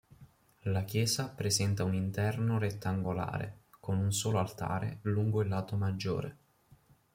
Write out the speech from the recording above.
La chiesa presenta un interno rettangolare, con un solo altare lungo il lato maggiore.